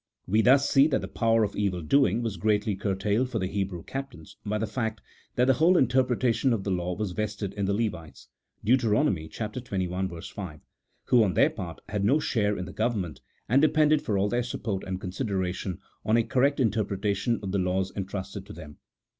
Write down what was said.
"We thus see that the power of evil doing was greatly curtailed for the Hebrew captains by the fact that the whole interpretation of the law was vested in the Levites (Deut. xxi. 5), who, on their part, had no share in the government, and depended for all their support and con sideration on a correct interpretation of the laws entrusted to them.